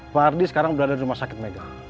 pak ardi sekarang berada di rumah sakit mega